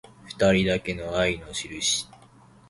ふたりだけの愛のしるし